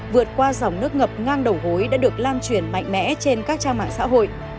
vượt qua dòng nước ngập ngang đầu gối đã được lan truyền mạnh mẽ trên các trang mạng xã hội